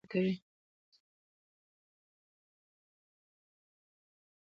پخو خبرو عقل پټ وي